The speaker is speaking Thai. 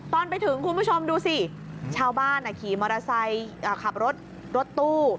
ตอนไปถึงคุณผู้ชมดูสิชาวบ้านขี่มอเตอร์ไซค์ขับรถรถตู้